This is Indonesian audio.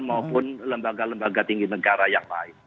maupun lembaga lembaga tinggi negara yang lain